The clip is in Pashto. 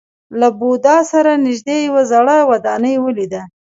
له بودا سره نژدې یوه زړه ودانۍ ولیده.